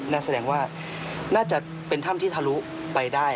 นั่นแสดงว่าน่าจะเป็นถ้ำที่ทะลุไปได้